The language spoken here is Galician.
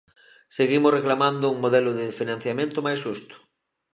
Seguimos reclamando un modelo de financiamento máis xusto.